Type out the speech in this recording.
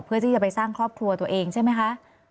เพื่อที่จะไปสร้างครอบครัวตัวเองใช่ไหมคะ